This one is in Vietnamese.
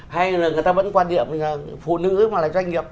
hay là người ta vẫn quan niệm là phụ nữ mà là doanh nghiệp